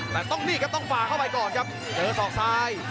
แต่ต้องนี่ครับต้องฝ่าเข้าไปก่อนครับเจอศอกซ้าย